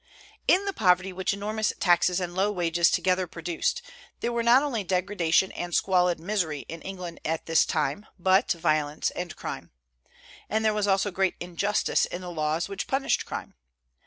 ] In the poverty which enormous taxes and low wages together produced, there were not only degradation and squalid misery in England at this time, but violence and crime. And there was also great injustice in the laws which punished crime.